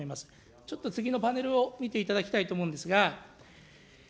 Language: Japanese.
ちょっと次のパネルを見ていただきたいと思うんですが。